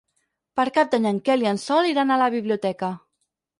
Per Cap d'Any en Quel i en Sol iran a la biblioteca.